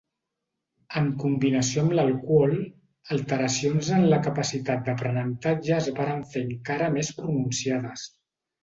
En combinació amb l'alcohol, alteracions en la capacitat d'aprenentatge es varen fer encara més pronunciades.